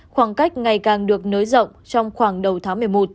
khoảng cách ngày càng được nới rộng trong khoảng đầu tháng một mươi một